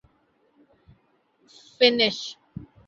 Finnish